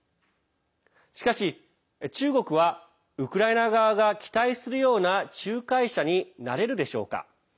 しかし中国はウクライナ側が期待するような仲介者になれるでしょうか。